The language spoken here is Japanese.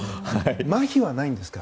まひはないんですか？